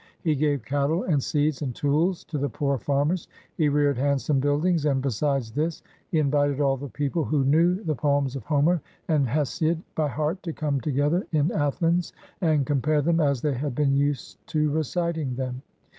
He gave cattle and seeds and tools to the poor farmers; he reared handsome buildings; and, besides this, he invited all the people who knew the poems of Homer and Hesiod by heart to come together in Athens and compare them as they had been used to reciting them.